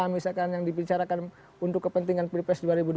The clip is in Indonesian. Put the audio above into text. misalkan yang dibicarakan untuk kepentingan pripes dua ribu dua puluh